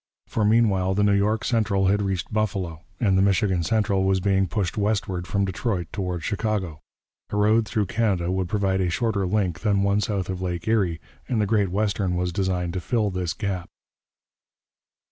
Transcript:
For meanwhile the New York Central had reached Buffalo, and the Michigan Central was being pushed westward from Detroit toward Chicago. A road through Canada would provide a shorter link than one south of Lake Erie, and the Great Western was designed to fill this gap.